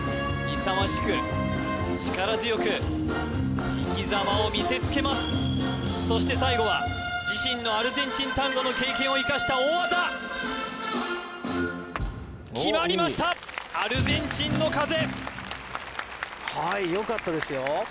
勇ましく力強く生きざまを見せつけますそして最後は自身のアルゼンチンタンゴの経験を生かした大技決まりましたアルゼンチンの風はいよかったですよ